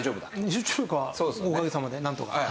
集中力はおかげさまでなんとか。